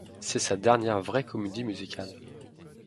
C'est sa dernière vraie comédie musicale.